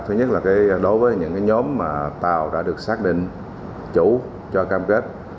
thứ nhất là đối với những nhóm tàu đã được xác định chủ cho cam kết